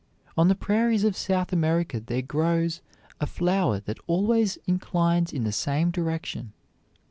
On the prairies of South America there grows a flower that always inclines in the same direction.